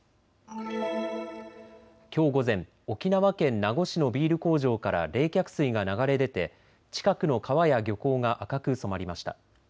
きょう午前、沖縄県名護市のビール工場から冷却水が流れ出て近くの川や漁港が赤く染まりました。